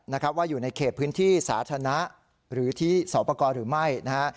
นะครับว่าอยู่ในเขตพื้นที่สาธารณะหรือที่สอบประกอบหรือไม่นะฮะ